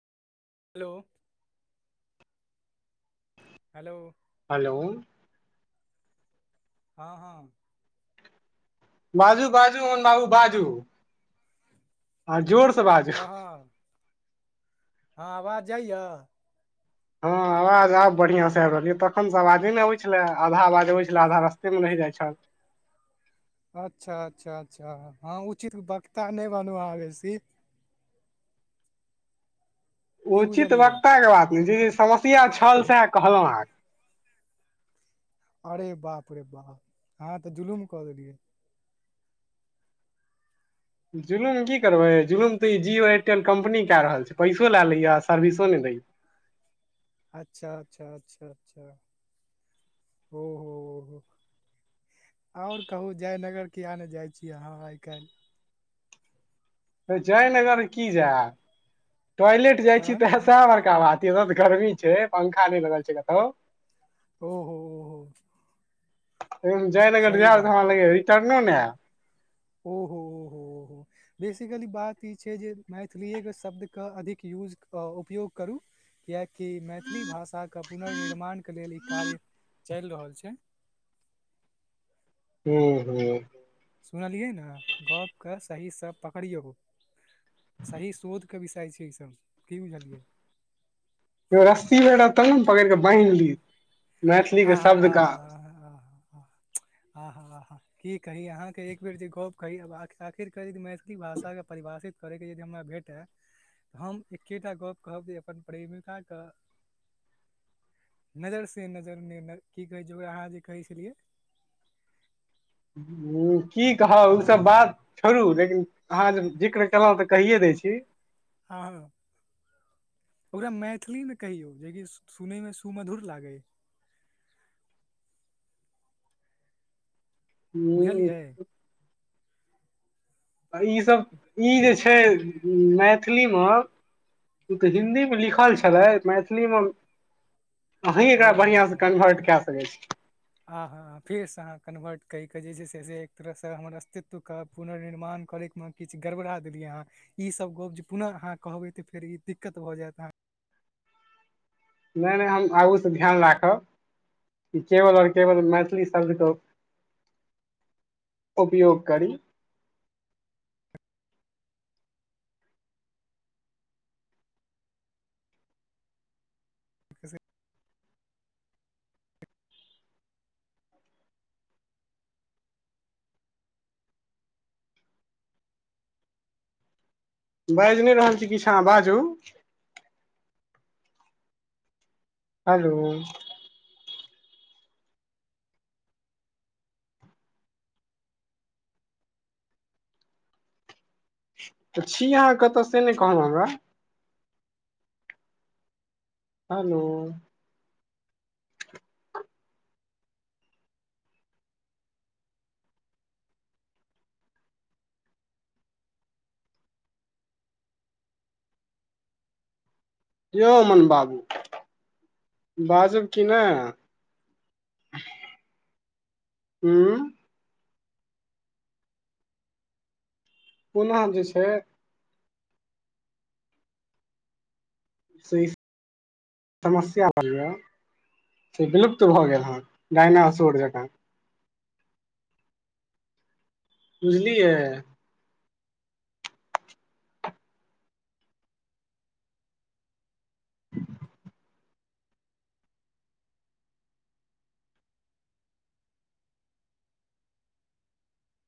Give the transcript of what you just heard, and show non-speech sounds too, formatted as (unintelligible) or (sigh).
Hello hello hello हँ हँ बाजू बाजू, मोहन बाबू बाजू। हां, जोरसे हँ हँ, हँ आवाज जाइए? हँ। आवाज आब बढ़िया से आबि रहल यै, तखनसे आवाजे नै अबै छलै आधा आवाज अबै छल आधा रास्तेमे रहि जाइत छल। (unintelligible) अच्छा अच्छा अच्छा, हँ उचित वक्ता नै बनु अहाँ बेसी। की उचित बुझलियै वक्ता के बात जी समस्या छल तें कहलहुं अहाँ के। अरे बाप रे बाप, अहाँ त जुलूम क देलियै। जुलुम की करबै जुलूम त ई जिओ एयरटेल कम्पनी क रहल छै, पैसो लए वैसे, सर्विसो नै सही। अच्छा अच्छा अच्छा अच्छा। ओहो और कहू जयनगर किए नहि जाइ छी अहाँ आइ काल्हि। जयनगर की जायब, टॉयलेट जाइ छी तहन त सैह बड़का बात। गर्मी छै पंखा नहि लगल छै कतहु। ओहो हो हो। हम जयनगर जायब लगैये तखैनल रिटर्नो नै है। ओहो हो हो हो। बेसिकली बात ई छै जे मैथिलीएके शब्दके अधिक यूज उपयोग करू। किएकि मैथिली भाषाके पुनर्निर्माणके लेल ई कार्य चलि रहल छै। हुं हुं। सुनलियै ने, गप के सहीसे पकड़ियौ। सही शोधके विषय छै इसभ, की बुझलियै? रस्सी रहत तब ने, पकड़ कऽ बान्हि ली। मैथिली आ के ह शब्द आ का ह। ह आहा! आहा! की कही, अहाँके एक बेर जे गप कही, आखिर करी मै मैथिली भाषाके परिभाषित करैके यदि हमरा भेटय? तऽ हम एकेटा गप कहब, जे अपन प्रेमिकाक! नजर से नजर। कि कहै छै, ओकरा जे अहां कहै छलियै। ह की कहब, ओ सब बात छोड़ू, लेकिन अहाँ जे जिक्र केलहुँ तऽ कहिये दे छी। आ ओकरा मैथिलीमे कहियौ, जेकि सुनयमे सुमधुर लागै। (inaudible) बुझलियै हू। इसभ, ई जे छै मैथिलीमे ओ तऽ हिंन्दीमे लिखल छलै, मैथिलीमे ह अही एकरा ओहो बढ़िआँसँ हो कन्वर्ट कए सकै छी। आ ह फेरसँ अहाँ कन्वर्ट कर क जे छै से, एक तरहसँ हमर अस्तित्वके पुनर्निर्माण करयमे किछु गड़बड़ा देलियै, अहाँ ईसभ गप जे पुनः अहाँ कहबै तऽ, फेर ई दिक्कत भऽ जायत, अहाँ नहि- नहि, हम आगूसँ ध्यान राखब। ई केवल और केवल मैथिली शब्द हो। उपयोग करी! ठीक छै। बाजि नहि रहल छी, किछु अहां बाजू। हलो! तऽ छी अहाँ कतय, से नहि कहलहुँ हमरा? हेलो! कि यौ अमन बाबू! बाजब कि नहि? हू। पुनः जे छै। से ई समस्या रहलैए। से विलुप्त भऽ गेल ह, डायनासोर जकां। बुझलीएै।